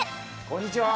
こんにちは。